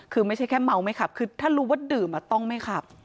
คือไม่ใช่แค่เมาไม่ขับคือถ้ารู้ว่าดื่มต้องไม่ขับ